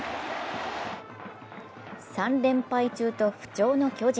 ３連敗中と不調の巨人。